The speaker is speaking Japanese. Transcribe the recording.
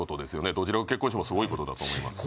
どちらが結婚してもすごいことだと思います